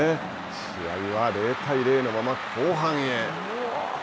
試合は０対０のまま後半へ。